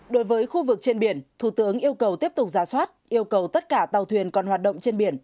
đối với khu vực trên biển thủ tướng yêu cầu tiếp tục giả soát yêu cầu tất cả tàu thuyền còn hoạt động trên biển